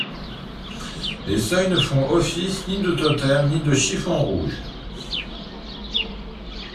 Les seuils ne font office ni de totem ni de chiffon rouge.